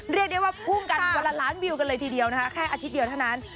เรียกได้ว่าพุ่งกันคนละล้านวิวกันเลยทีเดียวนะคะแค่อาทิตย์เดียวเท่านั้น